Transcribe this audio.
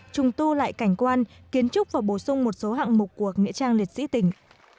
trùng tu lại cảnh quan kiến trúc và bổ sung một số hạng mục của nghĩa trang liệt sĩ tỉnh